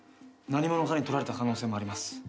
何者かに取られた可能性もあります。